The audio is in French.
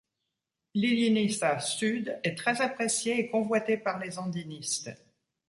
L'Illiniza Sud est très apprécié et convoité par les andinistes.